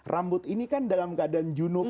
rambut ini kan dalam keadaan jenuh